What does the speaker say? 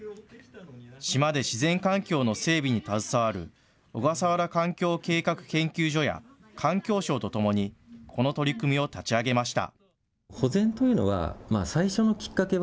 島で自然環境の整備に携わる小笠原環境計画研究所や環境省とともにこの取り組みを立ち上げました。